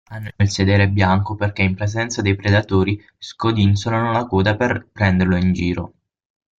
Hanno il sedere bianco perché in presenza dei predatori scodinzolano la coda per prenderlo in giro.